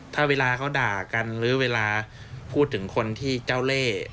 ถ้าเวลาเขาด่ากันหรือเวลาพูดถึงคนที่เจ้าเล่